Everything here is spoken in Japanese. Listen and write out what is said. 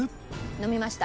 飲みました。